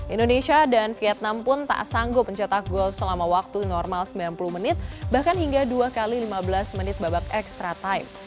indonesia dan vietnam pun tak sanggup mencetak gol selama waktu normal sembilan puluh menit bahkan hingga dua x lima belas menit babak extra time